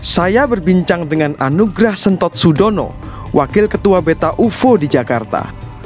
saya berbincang dengan anugrah sentot sudono wakil ketua beta ufo di jakarta